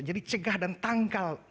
jadi cegah dan tangkal